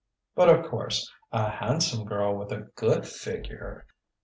But, of course, a handsome girl with a good figure....